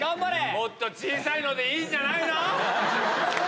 もっと小さいのでいいんじゃないの？